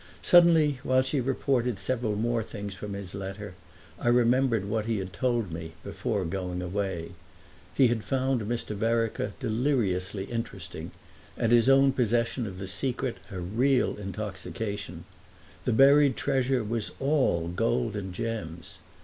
Suddenly, while she reported several more things from his letter, I remembered what he had told me before going away. He had found Mr. Vereker deliriously interesting and his own possession of the secret a real intoxication. The buried treasure was all gold and gems.